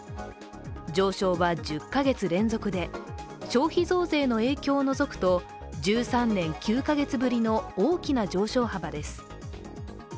上昇は１０カ月連続で消費増税の影響を除くと１３年９カ月ぶりの大きな上昇幅です